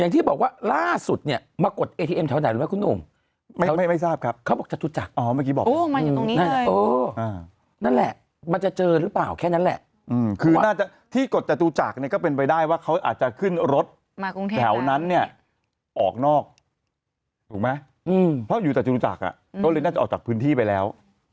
ถูกไหมอืมเพราะอยู่ตะจุนจักรอ่ะเขาเลยน่าจะออกจากพื้นที่ไปแล้ว